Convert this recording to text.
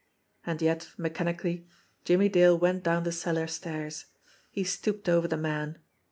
And yet, mechanically, Jimmie Dale went down the cellar stairs. He stooped over the man.